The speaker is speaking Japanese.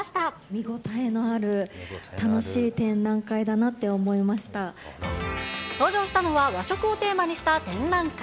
見応えのある楽しい展覧会だ登場したのは、和食をテーマにした展覧会。